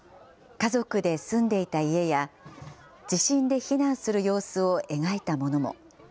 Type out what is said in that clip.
家族で住んでいた家や、地震で避難する様子を描いたものも。